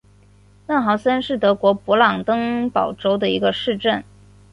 嫩豪森是德国勃兰登堡州的一个市镇。